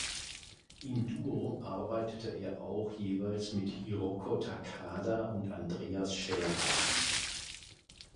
Im Duo arbeitete er auch jeweils mit Hiroko Takada und Andreas Schaerer.